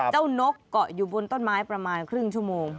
นกเกาะอยู่บนต้นไม้ประมาณครึ่งชั่วโมง